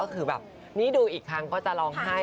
คือนี้ดูอีกครั้งจะลองไห้